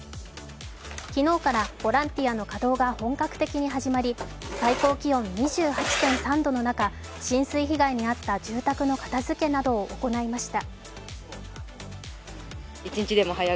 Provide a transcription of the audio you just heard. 昨日からボランティアの稼働が本格的に始まり最高気温２８．３度の中浸水被害に遭った住宅の片づけなどを行いました。